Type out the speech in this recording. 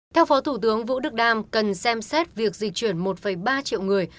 theo phó thủ tướng vũ đức đam cần xem xét việc di chuyển một ba triệu người